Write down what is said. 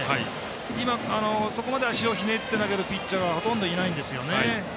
今、そこまで足をひねって投げるピッチャーはあまりいませんからね。